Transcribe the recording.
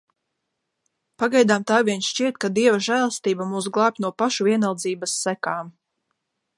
Pagaidām tā vien šķiet, ka Dieva žēlastība mūs glābj no pašu vienaldzības sekām.